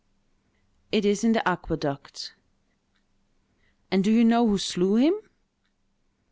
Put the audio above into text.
"It is in the aqueduct." "And do you know who slew him?"